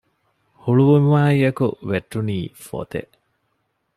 ހުޅުވުމާއިއެކު ވެއްޓުނީ ފޮތެއް